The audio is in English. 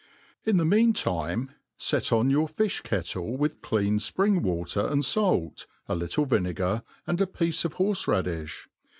In the mean time fet on your fi(h kettle with clean fpring Water and fait, a little vinegar, and a piece of horfe raddife.